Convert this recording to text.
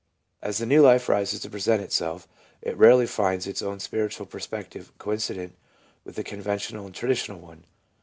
As the new life rises to present itself, it rarely finds its own spiritual perspective coincident with the con ventional and traditional one.